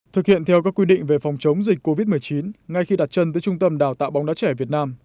thực hiện theo các quy định về phòng chống dịch covid một mươi chín ngay khi đặt chân tới trung tâm đào tạo bóng đá trẻ việt nam